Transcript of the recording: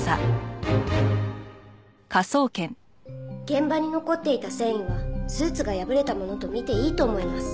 現場に残っていた繊維はスーツが破れたものとみていいと思います。